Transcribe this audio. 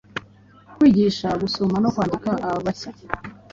kwigisha gusoma no kwandika abashya,